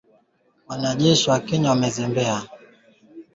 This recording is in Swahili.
Wanajeshi hao wametajwa kuwa Jean Pierre Habyarimana na John Muhindi Uwajeneza.